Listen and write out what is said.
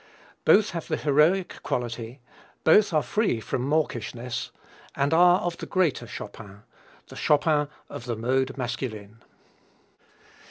Both have the heroic quality, both are free from mawkishness and are of the greater Chopin, the Chopin of the mode masculine.